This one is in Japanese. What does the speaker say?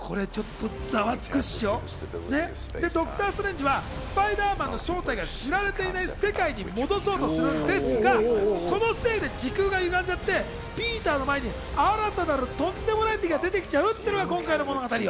ドクター・ストレンジはスパイダーマンの正体が知られていない世界に戻そうとするんですが、そのせいで時空がゆがんじゃって、ピーターの前に新たなるとんでもない敵が出てきちゃうっていうのが今回の物語。